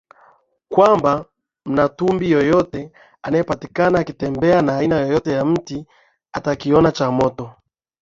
kwamba Mmatumbi yeyote anayepatikana akitembea na aina yoyote ya mti atakiona cha moto